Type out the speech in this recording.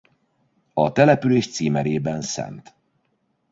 A település címerében Szt.